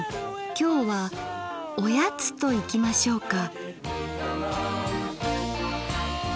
今日はおやつといきましょうか。